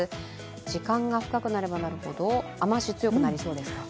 時間が深くなればなるほど雨足、強くなりそうですか。